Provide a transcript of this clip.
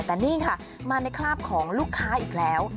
แต่นี่ค่ะมาในคราบของลูกค้าอีกแล้ว